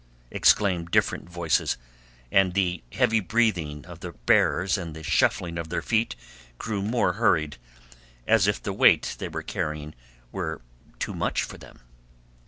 exclaimed different voices; and the heavy breathing of the bearers and the shuffling of their feet grew more hurried, as if the weight they were carrying were too much for them.